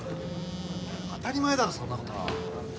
当たり前だろそんな事。